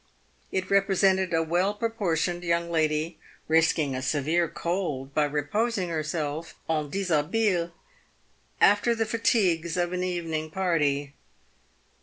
It represented a well proportioned young lady, risking a severe cold by reposing herself, en dishabille, after the fatigues of an evening party.